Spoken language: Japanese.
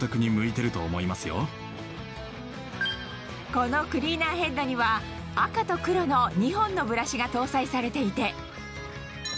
このクリーナーヘッドには赤と黒の２本のブラシが搭載されていてそこでいってしまえ。